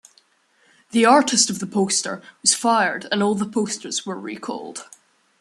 The artist of the poster was fired and all the posters were recalled.